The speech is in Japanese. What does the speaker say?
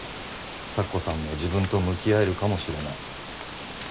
咲子さんも自分と向き合えるかもしれない。